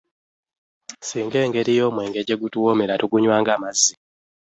Singa engeri y'omwenge gyegutuwoomera, tugunywa nga mazzi.